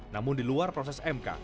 namun di luar proses mk